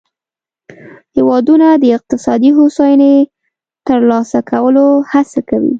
هیوادونه د اقتصادي هوساینې د ترلاسه کولو هڅه کوي